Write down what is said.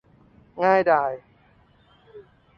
ง่ายดาย